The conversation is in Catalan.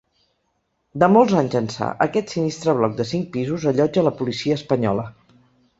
De molts anys ençà, aquest sinistre bloc de cinc pisos allotja la policia espanyola.